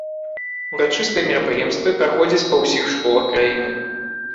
Урачыстыя мерапрыемствы праходзяць ва ўсіх школах краіны.